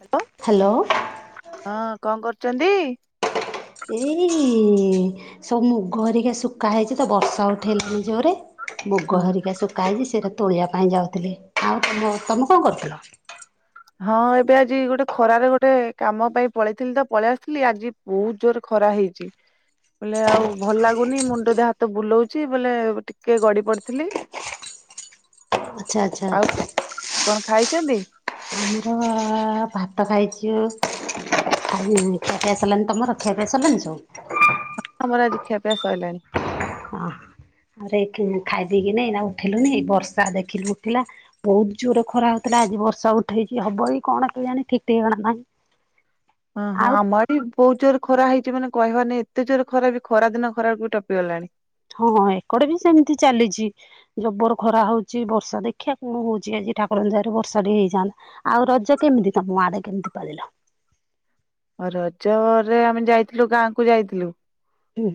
Hello ହଁ କଣ କରୁଛନ୍ତି? ଏଇ ସବୁ ମୁଗରିକି ଶଖା ହେଇଛି। ତ ବର୍ଷା ଉଠେଇଲାନି ଯୋରେ ହଁ। ମୁଗ ହରିକା ଶୁଖ ହେଛି ସେଇଟା ତୋଳିଆ ପାଇଁ ଯାଉଥିଲି ଆଉ ତ ତମେ କଣ କରୁଥିଲ? ହଁ ଏବେ ଆଜି ଗୋଟେ ଖରାରେ ଗୋଟେ କାମ ପାଇଁ ପଳେଇଥିଲି ତ ପଳେଇ ଆସିଥିଲି ଆଜି ବହୁତ ଜୋରରେ ଖରା ହେଇଛି। ବୋଲେ ଆଉ ଭଲ ଲାଗୁନି ମୁଣ୍ଡ ଦେହ ହାତ ବୁଲଉଛି ବୋଲେ ଟିକେ ଗଡି ପଡିଥିଲି। [inaudible] ଆଛା ଆଛା। ଆଉ କଣ ଖାଇଛନ୍ତି? ଆ ଆ ଭାତ ଖାଇଛି। ଆ ମି ଖିଆ ପଆସାରିଲାଣି ତମର ଖିଆପିଆ ସରିଲାଣି ସବୁ? ହଁ ଆମରା ଆଜି ଖିଆପିଆ ସରିଲାଣି। ଖାଇଦକି ନାଇ ନା ଉଠିଲୁନି ବର୍ଷା ଦେଖିଲୁ ଉଠିଲା, ବହୁତ ଜୋର ଖରା ହଉଥିଲା ଆଜି ବର୍ଷା ଉଠେଇଛି ହବ ଏ କଣ କେଇଆଣି ଠିକ ଠିକଣା ନାହିଁ। ହଁ ହଁ ଆଉ ଆମର ବୋହୁତ୍ ଜୋରେ ଖରା ହେଇ କି ମାନେ କହିବାନିଁ ଏତେ ଜୋର ଖରା ବି ଖରା ଦିନ ଖରାକୁ ବି ଟପିଗଲାଣି। ହଁ ଏକଡେ ବି ସେମିତି ଚାଲିଛି ଜବର ଖରା ହଉଛି ବର୍ଷା ଦେଖିବା କଣ ହଉଛି ଆ ଜି, ଠାକୁର ଦୟାରୁ ବର୍ଷା ଟିକେ ହେଇଯନ୍ତା, ଆଉ ରଜ କେମିତି ତମ ଆଡେ କେମିତି ପାଳିଲ? ରଜରେ ଆମେ ଯାଇଥିଲୁ ଗାଁକୁ ଯାଇଥିଲୁ ହୁଁ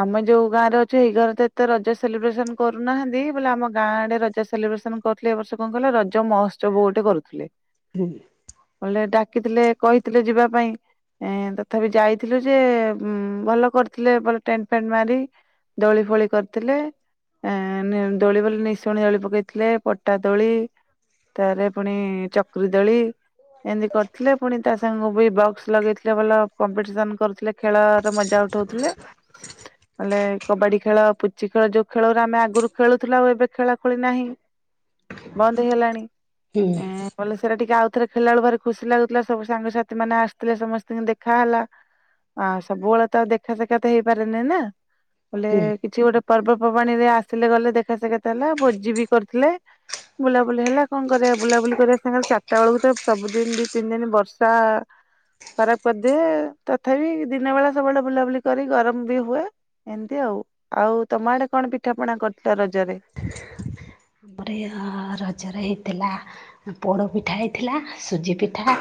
ଆମେ ଯୋଉ ଗାଁରେ ଅଛିଇ ଘରେ ତ ଏତେ ରଜା ସେଲିବ୍ରେସନ କରୁନାହାନ୍ତି, ବୋଲେ ଆମ ଗାଁ ଆଡେ ରଜା ସେଲିବ୍ରେସନ କରୁଥିଲେ ଏ ବର୍ଷ କଣ କହିଲ ରଜ ମହୋତ୍ସବ ଗୋଟେ କରୁଥିଲେ, ହୁଁ ବଲେ ଡାକିଥିଲେ କହିଥିଲେ ଯିବା ପାଇଁ। ଏଁ ତଥାପି ଯାଇଥିଲୁ ଯେ ଭଲ କରିଥିଲେ ବ ଟେଣ୍ଟଫେଣ୍ଟ ମାରି ଦୋଳିଫୋଳି କରିଥିଲେ। ଆ ଦୋଳି ବୋଲି ନିଶଣି ଦୋଳି ପକେଇଥିଲେ ପଟା ଦୋଳି ତାରେ ପୁଣି ଚକ୍ରି ଦଳି ଏମିତି କରିଥିଲେ ପୁଣି ତା ସାଙ୍ଗକୁ ବି ବକ୍ସ ଲଗେଇଥିଲେ ଭଲ କମ୍ପିଟିସନ କରୁଥିଲେ। ଖେଳ ର ମଜା ଉଠଉଥିଲେ ନଲେ କବାଡି ଖେଳ ପୁଚି ଖେଳ, ଯୋଉ ଖେଳରେ ଆମେ ଆଗରୁ ଖେଳୁ ଆଉ ଏବେ ଖେଳା ଖୋଳି ନାହିଁ। ବନ୍ଦ ହେଇଗଲାଣି ହୁଁ ଏ ବଲେ ସେଟା ଟିକେ ଆଉ ରେ ଖୋବେଳଳେ ଭରେ ଖୁସି ଲାଗୁଥିଲା ସୁ ସାଙ୍ଗସଥି ମେ ଆସ ଥିଲେ ସମସ୍ତଙ୍କୁ ଦେଖା ହେଲା ଆ ସବୁବେଳେ ତଉ ଦେଖାସେଖା ତ ହେଇପାରେନି ନା। ବୋଲେ ହୁଁ କିଛି ଗୋଟେ ପର୍ବପର୍ବାଣିରେ ଆସିଲେ ଗଲେ ଦେଖାସଖା ହେଲା ଭୋଜି ବି କରୁଥିଲେ। ବୁଲାବୁଲି ହେଲା କଣ କରିବା ବୁଲାବୁଲି କରିବା ସାଙ୍ଗରେ ଚାରିଟା ବେଳକୁ ତ ସବୁଦିନ ଦି ତିନି ଦିନ ବର୍ଷା ଖରାପ କରିଦିଏ ତଥାପି ଦିନ ବେଳା ସବୁବେଳେ ବୁଲାବୁଲି କରି ଗରମ ବି ହୁଏ। ଏମିତି ଆଉ ଆଉ ତମ ଆଡେ କଣ ପିଠାପଣା କରିଥିଲ ରଜରେ? [inaudible] ଆମର ରଜରେ ହେଇଥିଲା ପୋଡପିଠା ହେଇଥିଲା ସୁଜିପିଠା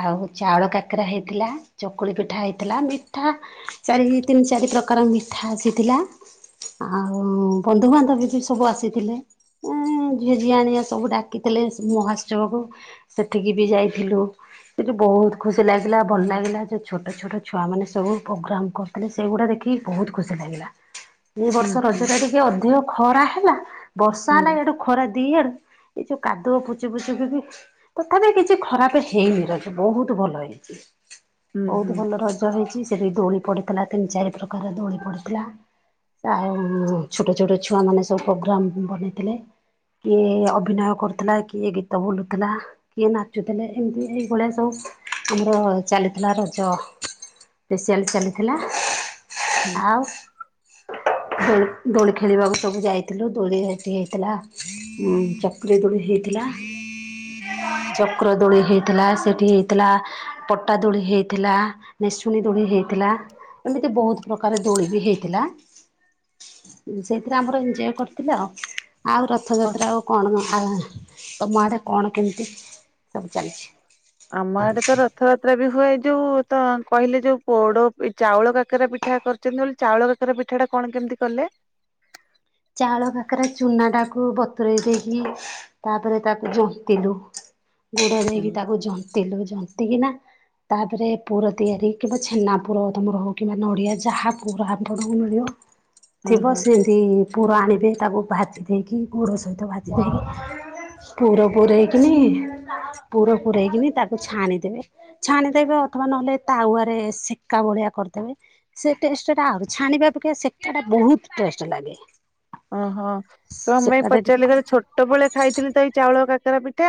ଆଉ ଚାଉଳ କାକରା ହେଇଥିଲା ଚକୁଳି ପିଠା ହେଇଥିଲା ମିଠା ଚାରି ତିନି ଚାରି ପ୍ରକାର ମିଠା ଆସିଥିଲା ଆଉ ବନ୍ଧୁବାନ୍ଧବ ବି ସବୁ ଆସିଥିଲେ। ଉୁଁ। ଝିଅଝିଆଆଣିଆ ସବୁ ଡାକିଥିଲେ ମହୋତ୍ସବକୁ ସେଠିକି ବି ଯାଇଥିଲୁ। ସେଠି ବହୁତ ଖୁସି ଲାଗିଲା ଭଲ ଲାଗିଲା ଯେଉ ଛୋଟ ଛୋଟ ଛୁଆ ମାନେ ସବୁ ପ୍ରୋଗ୍ରାମ କରିୁଥିଲେ ସେଇଗୁଡା ଦେଖ କି ବହୁତ ଖୁସି ଲାଗିଲା। ଏଇ ହୁଁ ବର୍ଷ ରଜ ହୁଁ ଟା ଟିକେ ଅଧିକ ଖରା ହେଲା ବର୍ଷା ହୁଁ ହେଲା ଏଠୁ ଖରା ଦି ଆଡୁ ଏଇ ଯୋଉ କାଦୁଅ ପୁଚି ପୁଚୁକୁ କି ତଥାପି କିଛି ଖରାପ ହେଇନି ରଜ ବହୁତ ଭଲ ହେଇଛି। ହୁଁ ବହୁତ ହୁଁ ଭଲ ରଜ ହେଇଛି ସେଠି ଦୋଳି ପଡିଥିଲା ତିନି ଚାରି ପ୍ରକାର ଦୋଳି ପଡିଥିଲା। ଆଉ ଛୋଟ ଛୋଟ ଛୁଆମାନେ ସବୁ ପ୍ରୋଗ୍ରାମ ବନେଇଥିଲେ। କିଏ ଅଭିନୟ କରୁଥିଲା କିଏ ଗୀତ ବୁଲୁଥିଲା କିଏ ନାଚୁଥିଲେ ଏମିତି ଏଇଭଳିଆ ସବୁ। ଆମର ଚାଲିଥିଲା ରଜ ସ୍ପେସିଆଲ ଚାଲିଥିଲା। ହୁଁ। ଆଉ ଦୋଳି ଦୋଳି ଖେଳିବାକୁ ସବୁ ଯାଇଥିଲୁ ଦୋଳି ଯାଇ ହେଇଥିଲ ଚକ୍ରିଦୋଳି ହେଇଥିଲା। ଚକ୍ରଦୋଳି ହେଇଥିଲା ସେଠି ହେଇଥିଲା ପଟାଦୋଳି ହେଇଥିଲା ମେସୁଣୀଦୋଳି ହେଇଥିଲା। ହେଇଥିଲା ଏମିତି ବହୁତ ପ୍ରକାର ଦୋଳି ବି ହେଇଥିଲା। ସେଇଥିରେ ଆମର ଏଞ୍ଜୟ କରିଥିଲ ଆଉ। ଆଉ ରଥଯାତ୍ରା ଆଉ କଣ ତମ ଆଡେ କଣ କେମିତି? ସବୁ ଚାଲିଛି? ଆମ ଆଡେ ତ ରଥଯାତ୍ରା ବି ହୁଏ ଯୋଉ ତ କହିଲେ ଯୋଉ ପୋଡ ଚାଉଳ କାକରା ପିଠା କରିଛନ୍ତି ବୋଲି ଚାଉଳ କାକରା ପିଠାଟା କଣ କେମିତି କଲେ? [inaudible] ଚାଉଳ ପାକରେ ଚୁନା ଟାକୁ ବତୁରଇ ଦେଇକି ତାପରେ ତାକୁ ଜନ୍ତିଲୁ ଗୁଡ଼ ହୁଁ ଦେଇକି ତାକୁ ଜନ୍ତିଲୁ ଜନ୍ତିିକିନା ତାପରେ ପୁର ତିଆରି କିମ୍ବା ଛେନା ପୁର ତମର ହଉ କିମ୍ବା ନଡିଆ ଯାହା ପୁର ଆପଣ ହୁଁ ଥିବ ହୁଁ ସେ ସେମତି ପୁର ଆଣିବେ ତାକୁ ଭାଜି ଦେଇକି ଗୋଡ଼ ସହିତ ଭାଜି ଦେଇକି ପୁର ପୁରଇକିନି ପୁର ପୁରାଇକିନି ତାକୁ ଛାଣିଦେବେ ଛାଣିଦବେ ଆଉ ନହେଲେ ତାରେ ସେକା ଭଳିଆ କରିଦେବେ ସେ ଟଷ୍ଟା ଆ ଛାଣିବାକ୍ଷ ସୋ ବହୁତ ଟେଷ୍ଟ ଲାଗେ। ଓହୋ କଣ ପାଇଁ ସେକାଟା ପଚାରିଲି ଗଲେ ଛୋଟବେଳେ ଖାଇଥିଲି ତ ଏଇ ଚାଉଳ କାକରା ପି ଠା,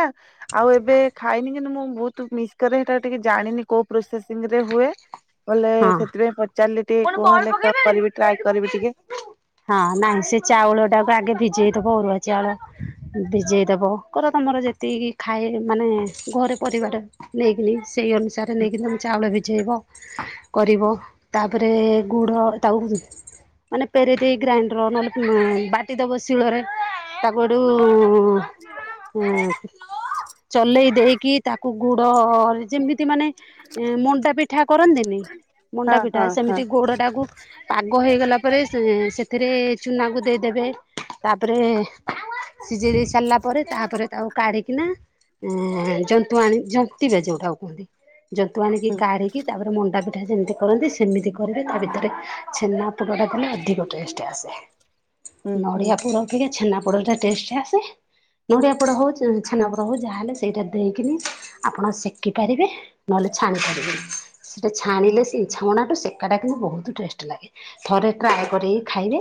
ଆଉ ଏବେ ଖାଇନି କିନ୍ତୁ ମୁଁ ବହୁତ ମିସ୍ କରେ ସେଟା ଟିକେ ଜାଣିନି କୋଉ ପ୍ରୋସେସ ରେ ହୁଏ ବଲେ ହଁ। ସେଥିପାଇଁ ପଚାର ଟିକେ ପୁଣି କୁହ ବଲ୍ ହେଲେ ପକେଇ ପାରିବି କରିବି ଟ୍ରାଏ ଏଇଠି କରିବି ଟିକେ। ପକେଇବି। ହଁ ନାଇଁ ସେ ଚାଉଳ ଟାକୁ ଆଗେ ଭିଜେଇଦବ ଅରୁଆ ଚାଉଳ ଭିଜେଇଦବ କର ତମର ଯେତିକି ଖାଏ ମାନେ ଘରେ ପରିବାର ନେଇକିନି ସେଇ ଅନୁସାରେ ନେଇକି ତମେ ଚାଉଳ ଭିଝେଇବ କରିବ। ତାପରେ ଗୁଡ ତାକୁ ମାନେ ପେରି ଦେଇ ଗ୍ରାଇଣ୍ଡର ନହେଲେ ବାଟି ଦବ ଶିଳରେ ତାକୁଠୁ ହୁଁ ଚଲେଇ ଦେଇକି ତାକୁ ଗୁଡ ଯେମିତି ମାନେ ମଣ୍ଡା ପିଠା କରନ୍ତିନି ମଣ୍ଡା ହଁ ପିଠା ଟା ହଁ ହଁ। ସେମିତି ଗୋଡ ଟାକୁ ପାଗ ହେଇଗଲା ପରେ ସେ ଏଥିରେ ଚୁନା କ ଦେଇଦେବେ ତାପରେ ସିଝେଇ ଦେଇ ସାରିଲା ପରେ ତାପରେ ତାକୁ କାଢିକିନା ଜନ୍ତୁ ଆଣି ଜିବେ ଯୋଉଟାକୁ କୁହନ୍ତି। ଜନ୍ତୁ ଆଣିକି ହୁଁ କାଢିକି ତାପରେ ମଣ୍ଡା ପିଠା ସେମିତି କରନ୍ତି। ସେମିତି କରିବେ ତା ଭିତରେ ଛେନା ପୁରଟା ଦେଲେ ଅଧିକ ଟେଷ୍ଟ ଆସେ। ହୁଁ ହୁଁ ନଡିଆ ପୋଡ ଟିକେ ଛେନା ପୋଡ ଟ ଟେଷ୍ଟ ଆସେ। ନଡିଆ ପୋଡା ହଉ ଛେନା ପୋଡ ହଉ ଯାହା ହଲେ ସେଇଟା ଦେଇକିନି ଆପଣ ସେକି ପାରିବେ ନହଲେ ଛାଣିପାରିବେ ସେଟା ଛାଣିଲେ ଛଣା ସେ ଏକାଟା କିନ୍ତୁ ବହୁତ ଟେଷ୍ଟ ଲାଗେ ଥରେ ଟ୍ରାଏ କରିକି ଖାଇବେ।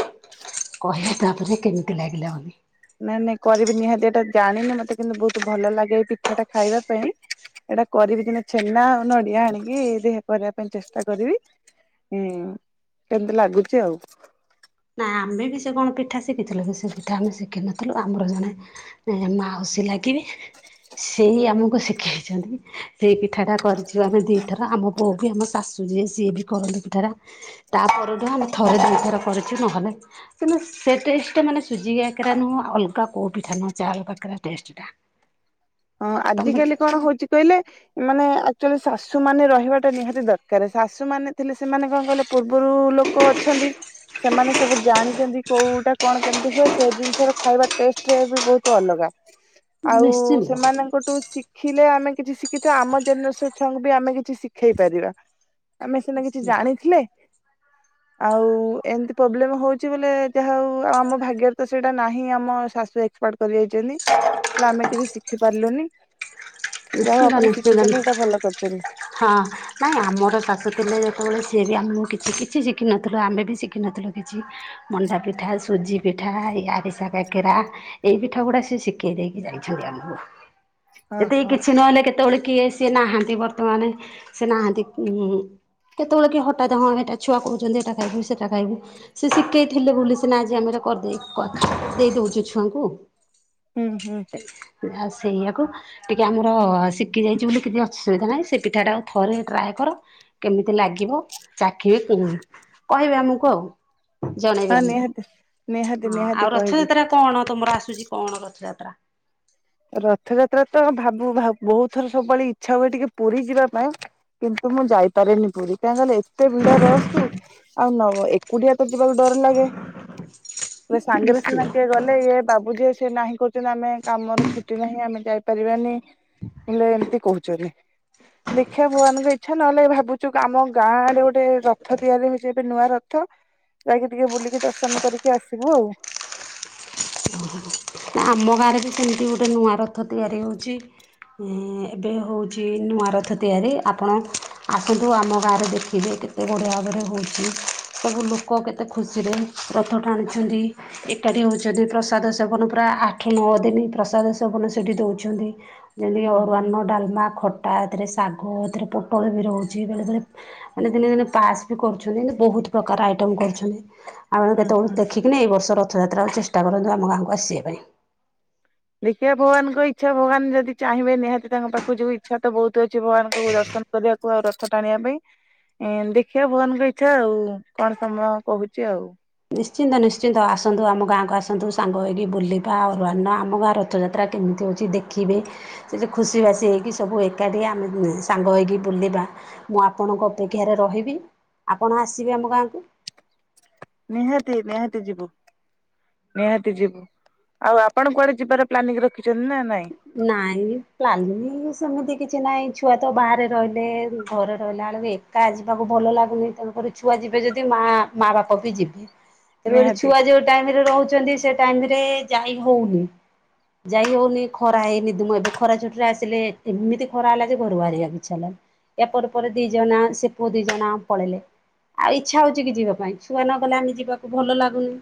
କହିବା ତାପରେ କେମିତି ଲାଗିଲା ବୋଲି। ନାଇଁ ନାଇଁ କରିବି ନିହାତି ଏଇଟା ଜାଣିନି ମତେ କିନ୍ତୁ ବହୁତ ଭଲ ଲାଗେ ଏ ପିଠାଟା ଖାଇବା ପାଇଁ। ଏଇଟା କରିବି ଦିନେ ଛେନା ଆଉ ନଡିଆ ଆଣିକି ଦେହ କରିବା ପାଇଁ ଚେଷ୍ଟା କରିବି। ହୁଁ କେମତି ଲାଗୁଚ ଆଉ? ନା ଆମେ ବି ସେ କଣ ପିଠା ଶିଖିଥିଲୁ କି ସେ ପିଠା ଆମେ ଶିଖିିନଥିଲୁ ଆମର ଜଣେ ମାଉ ସୀ, ଲାଗିବେ ସେଇ ଆମକୁ ଶିଖେଇଛନ୍ତି ସେଇ ପିଠାଟା କରିଛିବ ଆମେ ଦିଥର ଆମ ବୋଉ ବି ଆମ ଶାଶୁ ସିଏ ବି କରନ୍ତୁ ପିଠା ତା ପରଠୁ ଆମେ ଥରେ ଦିଇଥର କର ନହେଲେ କିୁ ସେ ମାନେ ସୁଜି ଆକରା ନୁହଁ ଅଲଗା କୋଉ ପିଠା ନୁହଁ ଚାଉଳ ପାକରା [inaudible] ହଁ ଆଜିକାଲି କଣ ହଉଛି କହିଲେ ମାନେ ଚୁ ଶାଶୁ ମ ରହିବା ଟା ନିହାତି ଦରକାର ଶାଶୁ ମାନେ ଥିଲେ ସେମାନେ କଣ କଲେ ପୂ ପରୁ ଲୋକ ଅଛନ୍ତି ସେମାନେ ସବୁ ଜାଣିଛନ୍ତି କୋଉଟା କଣ କେମିତି ହୁଏ ସେ ଜିନିଷର ଖାଇବା ଟେଷ୍ଟ ବି ବହୁତ ଅଲଗା ଆଉ ନିଶ୍ଚିନ୍ତ ସେମାନଙ୍କଠୁ ଶିଖିଲେ ଆମେ କିଛି ଶିଖିଥିବା ଆମ ଜେନେରେସନ ଙ୍ଗ ବି ଆମେ କିଛି ଶିଖେଇ ପାରିବା। ଆମେ ସିନା କିଛି ନିଶ୍ଚିନ୍ତ ଜାଣିଥିଲେ ଆଉ ଏମିତି ପ୍ରୋବ୍ଲେମ ହଉଛି ବୋଲି ଯାହା ହଉ ଆମ ଭାଗ୍ୟରେ ତ ସେଇଟା ନାହିଁ ଆମ ଶାଶୁ ଏକ୍ପାର୍ଟ କରିଇଛନ୍ତି ହେ ଆମେ କିଛି ଶି ଲୁନି। ନିଶ୍ଚିନ୍ତ ନିଶ୍ଚିନ୍ତ କରିଛନ୍ତି ହଁ ନାଇଁ ଆମର ଶାଶୁ ଥିଲେ ଯେତେବେଳେ ଯିଏ ବି ଆମକୁ କିଛି କିଛି ଶିଖିନଥିଲୁ ଆମେ ବି ଶିଖିନଥିଲୁ କିଛି ମଣ୍ଡାପିଠା ସୁଜି ପିଠା ଏ ଆରିସା କାକିରା ଏଇ ପିଠା ଗୁଡା ସେ ଶିଖେଇ ଦେଇକି ଯାଇଛନ୍ତି ଆମକୁ ହଁ କେ ହଁ କିଛି ନହେଲେ କେତେବେଳେ କିଏ ସିଏ ନାହାନ୍ତି ବର୍ତ୍ତମାନ ସେ ନାହାନ୍ତି କେତେବେଳେ କି ହଠାତ୍ ହଁ ଏଇଟା ଛୁଆ କହୁଛନ୍ତି ଏଟା ଖାଇବୁ ସେଟା ଖାଇବୁ ସେ ଶିଖେଇ ଥିଲେ ବୋଲି ସିନା ଆ ଆମର କରିଦେଇ ଦେଇ ଦଉଛୁ ଛୁଆଙ୍କୁ ହୁଁ ହୁଁ ସେଇଆକୁ ଟିକେ ଆମର ଶିଖି ଯାଇଛି ବୋଲି କିଛି ଅସୁବିଧା ନାହିଁ ସେ ପିଠାଟା ଆଉ ଥରେ ଟ୍ରାଏ କର କେମିତି ଲାଗିବ। ଚାଖିବ କୁହ କହିବେ ଆମକୁ ଆଉ ଜଣେଇବି ହଁ ଆମକୁ ନିହାତି। ନିହାତି ହଁ ନିହାତି ଆଉ କହିବି। ରଥଯାତ୍ରା କଣ ତମର କଣ ରଥଯାତ୍ରା? ରଥଯାତ୍ରା ତ ଭାବୁ ବହୁତ ଥର ସବୁବେଳେ ଇଚ୍ଛା ହୁଏ, ଟିକେ ପୁରୀ ଯିବା ପାଇଁ କିନ୍ତୁ ତ ମୁଁ ଯାଇପାରେନି ପୁରୀ କାହିଁ କହିଲଲେ ଏତେ ଭିଡ ରସୁ ଆଉ ନ ଏକୁଟିଆ ତ ଯିବା ଡର ଲାଗେ ସାଙ୍ଗରେ ନିଶ୍ଚିତ ସିନା କିଏ ଗଲେ ଇ ବାବୁ ଯେ ନାହିଁ। କରଛନ୍ତି ଆମେ କାମର ଛୁଟି ନାହିଁ ଆମେ ଯାଇପାରିବାନି ବଲେ ଏମତି କହୁଛନ୍ତି ଦେଖିବା ଭଗବାନଙ୍କ ଇଚ୍ଛା ନହେଲେ ଭାବୁଛି ଉ ଆମ ଗାଁ ଆଡେ ଗୋଟେ ରଥ ତିଆରି ହଉଛି। ଏବେ ନୂଆ ରଥ ଯାଇକି ଟିକେ ବୁଲିକି ଦର୍ଶନ କରିକି ଆସିବୁ ଆଉ। ଆମ ଗାଁରେ ବି ସେମିତି ଗୋଟେ ନୂଆ ରଥ ତିଆରି ହେଉଛି। ଏବେ ହେଉଛି ନୂଆ ରଥ ତିଆରି ଆପଣ ଆସନ୍ତୁ ଆମ ଗାଁରେ ଦେଖିବେ। କେତେ ବଡିଆ ଭାବରେ ହଉଛି। ସବୁ ଲୋକ କେତେ ଖୁସିରେ ରଥ ଟାଣିୁଛନ୍ତି ଏକାଠି ହେଉଛନ୍ତି ପ୍ରସାଦ ସେବନ ପୁରା ଆଠ ନଅ ଦିନ ପ୍ରସାଦ ସେବନ ସେଇଠି ଦେଉଛନ୍ତି। ଯେମିତି ଅରୁଆନ ଡାଲମା ଖଟା ଏଥିରେ ଶାଗ ଆ ଏଥିରେ ପୋଟଳ ବି ରହୁଛି ବେଳେ ବଳେ ମାନେ ଦିନେ ଦିନେ ପାସ୍ ବି କରୁଛନ୍ତି ବହୁତ ପ୍ରକାର ଆଇଟମ୍ କରିଛନ୍ତି। ଆମେ ହୁଁ କେତେବେଳେ ଦେଖିକିିନ ଏଇ ବର୍ଷ ରଥଯାତ୍ରା ଚେଷ୍ଟା କରନ୍ତୁ ଆମ ଗାଁକୁ ଆସିବା ପାଇଁ ଦେଖିବା ଭଗବାନଙ୍କ ଇଚ୍ଛା ଭଗବାନ ଯଦି ଚାହିଁବେ ନିହାତି ତାଙ୍କ ପାଖକୁ ଯିବୁ ଇଚ୍ଛା ତ ବହୁତ ଅଛି ଭଗବାନଙ୍କ ଦର୍ଶନ କରିଆ କୁ ଆଉ ରଥ ଟାଣିବା ପାଇଁ ଦେଖିବା ଭବନଙ୍କ ଇଛା ଆଉ କଣ ସମୟ କହୁଛି ଆଉ। ନିଶ୍ଚିନ୍ତ ନିଶ୍ଚିନ୍ତ ଆସନ୍ତୁ ଆମ ଗାଁକୁ ଆସନ୍ତୁ ସାଙ୍ଗ ହୋଇକି ବୁଲିବା ଅରୁ ଅନ୍ନ ଆମ ଗାଁ ରଥଯାତ୍ରା କେମିତି ହେଉଛି ଦେଖିବେ ସେ ଯେ ଖୁସିିବାସି ହେଇକି ସବୁ ଏକାଠି ଆମେ ସାଙ୍ଗ ହୋଇକି ବୁଲିବା। ମୁଁ ଆପଣଙ୍କ ଅପେକ୍ଷାରେ ରହିବି ଆପଣ ଆସିବେ ଆମ ଗାଁକୁ? ନିହାତି ନିହାତି ଯିବୁ। ନିହାତି ଯିବୁ ଆଉ ଆପଣ କୁଆଡେ ଯିବାର ପ୍ଲାନିଂ ରଖିଛନ୍ତି ନା ନାଇଁ? ନାଇଁ ପ୍ଲାନିଂ ସେମିତି କିଛି ନାଇଁ ଛୁଆ ତ ବାହାରେ ରହିଲେ ଘରେ ରହିଲା। ଏକା ଯିବାକୁ ଭଲ ଲାଗୁନି ତେଣୁକରି ଛୁଆ ଯିବେ ଯଦି ମା ମା ବାପା ବି ଯିବେ। ତେଣୁ କରି ନିହାତି ଛୁଆ ଯୋଉ ଟାଇମ ରେ ରହୁଛି ସେ ଟାଇମରେ ଯାଇ ହଉନି ଯାଇ ହଉନି। ଖରା ହେଇନିି ମୁଁ ଏବେ ଖରା ଛୋଟରେ ଆସିଲେ ଏମିତି ଖରା ହେଲା ଯେ ଘରୁ ବାହାରିବା କୁ ଇଚ୍ଛା ହେଲାନି।। ଏହାପ ପରେ ଦି ଜଣ ସେ ପୁଅ ଦି ଜଣ ପଳେଇଲେ ଆଉ ଇଚ୍ଛା ହଉଛି କି ଯିବା ପାଇଁ ଛୁଆ ନ ଗଲେ ଆମେ ଯିବାକୁ ଭଲ ଲାଗୁନି।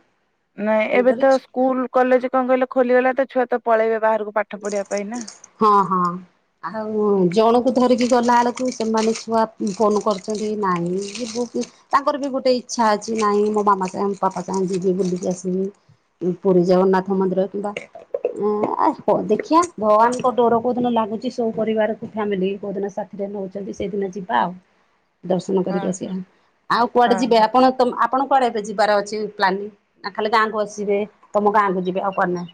ନାଇଁ ଏବେ ତେଣୁକରି ତ ସ୍କୁଲ କଲେଜ କଣ କହିଲ ଖୋଲିଗଲା ତ ଛୁଆ ତ ପଳେଇବେ ବାହାରକୁ। ପାଠ ପଢିବା ପାଇଁ ନା ହଁ ହଁ ଆଉ ଜଣକୁ ଧରିକି ଗଲା ବେଳକୁ ସେମାନେ ଛୁଆ ଫୋନ କରିଛନ୍ତି ନାଇଁ ତାଙ୍କର ବି ଗୋଟେ ଇଚ୍ଛା ଅଛି ନାହିଁ। ମୋ ମାମା ଚାହେଁ ପାପା ଚାହଁ ଯିଦି ବୁଲିକି ଆସିବି। ପୁରୀ ଜଗନ୍ନାଥ ମନ୍ଦିର କିମ୍ବା ଏ ଆ ହ ଦେଖିଆ ଭଗାନଙ୍କ ଡୋର କୋଉ ଦିନ ଲାଗୁଛି, ସବୁ ପରିବାର ଫ୍ୟାମିଲି କୋଉ ଦିନ ସାଥିରେ ନଉଛନ୍ତି ସେଇଦିନ ଯିବା ଆଉ ଦର୍ଶନ ହଁ କରିକି ହଁ ଆସିବା ଆଉ କୁଆଡେ ହଁ। ଯିବେ ହଁ। ଆପଣ ଆପଣ କୁଡେ ଏବେ ଯିବାର ଅଛି ପ୍ଲାନି ନା ଖାଲି ଗାଁକୁ ଆସିବେ ତମ ଗାଁ କକୁ ଯିବି ଆଉ କୁଆଡେ ନହିଁ?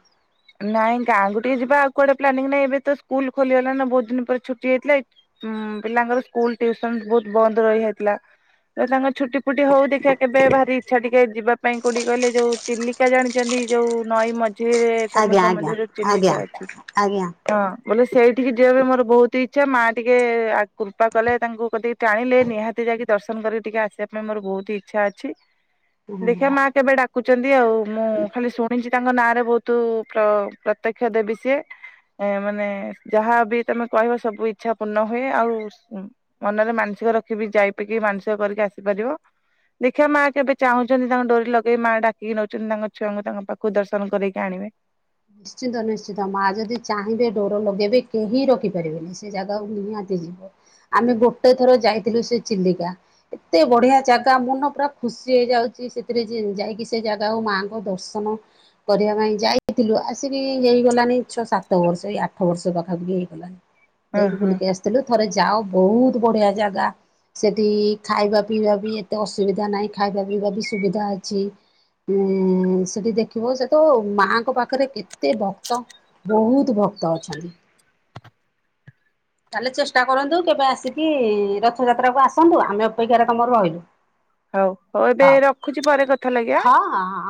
ନାଇଁ ଗାଁକୁୁ ଟିକେ ଯିବା ଆଉ କୁଆଡେ ପ୍ଲାନିଂ ନାଇଁ ଏବେ ତ ସ୍କୁଲ ଖୋଲିଗଲା ନା ବହୁତ ଦିନ ପରେ ଛୁଟି ହୋଇଥିଲା। ଉଁ ପିଲାଙ୍କର ସ୍କୁଲ ଟିୁସନ ବହୁତ ବନ୍ଦ ରହି ହୋଇଥିଲା ତାଙ୍କର ଛୁଟି ଗୋଟ ହ ଦେଖ କେବେ ଭାରି ଇଛା ଟି ଯିବା ପାଇଁ କୋଉଠି କହିଲେ ଯୋଉ ଚିଲିକା ଜାଣିଛନ୍ତି ଯୋଉ ନଈ ମଝିରେ ଆଜ୍ଞା ସମୁଦ୍ର ଆଜ୍ଞା ମଧ୍ୟରେ ଯୋଉ ଆଜ୍ଞା ଚିଲିକା ଅଛି ଆଜ୍ଞା। ହଁ ବୋଲେ ସେଇଠିକି ଯିବା ପାଇଁ ମୋର ବହୁତ ହି ଇଛା ମା ଟିକେ କୃପା କଲେ ତାଙ୍କୁ କଦକି ଟାଣିଲେ ନିହାତି ଯାଇକି ଦର୍ଶନ କରିକିିକେ ଆସିବା ପାଇଁ ମୋର ଭଲ ବହୁତ ଇଚ୍ଛା ଅଛି। ଦେଖିବା ମା କେବେ ଡାକୁଛନ୍ତି ଆଉ ମୁଁ ଖାଲି ଶୁଣିଛି ତାଙ୍କ ନାଁରେ ବହୁତ ତୁ ପ୍ର ପ୍ରତ୍ୟକ୍ଷ ଦେବି ସି ଏ ମାନେ ଯାହାବ ତମେ କହିବ ସବୁ ଇଛା ପୂର୍ଣ୍ଣ ହୁଏ ଆଉ ମନରେ ମାନସ ରଖିବି ଯାଇପିକି ମାନସିକ କରିକି ଆସିପାରିବ। ଦେଖିବା ମାଆ କେବେ ଚାହୁଁଛନ୍ତି, ତାଙ୍କ ଡୋରି ଲଗେଇ ମାଆ ଡାକିକି ନଉଛନ୍ତି ତାଙ୍କ ଛୁଆଙ୍କୁ ତାଙ୍କ ପାଖକୁ ଦର୍ଶନ କରକି ଜାଣିବେ। ନିଶ୍ଚିନ୍ତ ନିଶ୍ଚିନ୍ତ ମା ଯଦି ଚାହିଁବେ ଡୋର ଲଗେଇବେ କେହିଁ ରଖି ପାରିବେନି ସେ ଜାଗାକୁ ନିହାତି ଆମେ ଗୋଟେ ଥର ଯାଇଥିଲୁ, ସେ ଚିଲିକା ଏତେ ବଢିଆ ଜାଗା ମନ ପୁରା ଖୁସି ହେଇଯାଉଛି ସେଥିରେ ଯାଇକି ସେ ଜାଗା ଆଉ ମାଙ୍କ ଦର୍ଶନ କରିବା ପାଇଁ ଯାଇ ହେଇଥିଲୁ ଆସିକି ହେଇଗଲାନି ଛଅ ସାତ ବର୍ଷ ଏଇ ଆଠ ବର୍ଷ ପାଖି ହେଇଗଲାନଣି। ହଁ ଦେଇକି ହଁ ବୁଲିକି ଆସିଥିଲୁ ଥରେ ଯାଅ ବହୁତ ବଢିଆ ଜାଗା ସେଠି ଖାଇବା ପିଇବା ବି ଏତେ ଅସୁବିଧା ନାହିଁ ଖାଇବା ପିଇବା ବି ସୁବିଧା ଅଛି। ଉଁ ସେଠି ଦେଖିବ ସେ ତ ମା ଙ୍କ ପାଖରେ କେତେ ଭକ୍ତ ବହୁତ ଭକ୍ତ ଅଛନ୍ତି। ତାହେଲେ ଚେଷ୍ଟା କରନ୍ତୁ କେବେ ଆସିକି ରଥଯାତ୍ରାକୁ ଆସନ୍ତୁ ଆମେ ଅପେକ୍ଷାରେ ତମର ରହିଲୁ। ହଉ ହଉ ଏବେ ରଖୁଛି ପରେ କଥା ଲଗଆ। ହଁ ହଁ ହଁ